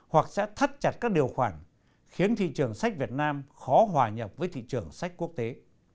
hoặc sẽ thắt chặt các điều khoản khiến thị trường sách việt nam khó hòa nhập với thị trường sách quốc tế